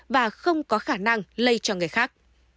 và không có khả năng lây cho người khác